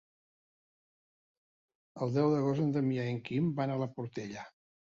El deu d'agost en Damià i en Quim van a la Portella.